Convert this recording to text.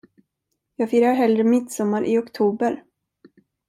Jag firar hellre midsommar i oktober.